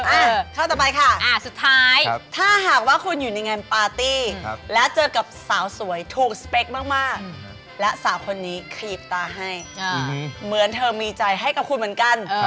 เออข้อต่อไปค่ะสุดท้ายถ้าหากว่าคุณอยู่ในงานปาร์ตี้และเจอกับสาวสวยถูกสเปคมากและสาวคนนี้ขีบตาให้เหมือนเธอมีใจให้กับคุณเหมือนกัน